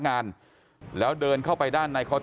แต่ว่าวินนิสัยดุเสียงดังอะไรเป็นเรื่องปกติอยู่แล้วครับ